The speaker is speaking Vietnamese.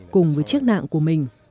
cùng với chiếc nạng của mình